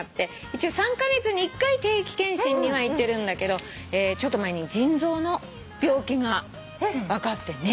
一応３カ月に１回定期健診には行ってるんだけどちょっと前に腎臓の病気が分かってね。